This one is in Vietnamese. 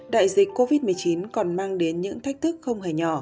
đại dịch covid một mươi chín còn mang đến những thách thức không hề nhỏ